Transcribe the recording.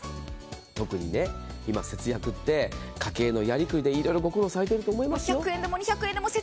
特に、今、節約って家計おやりくりでいろいろご苦労されていると思いますよ。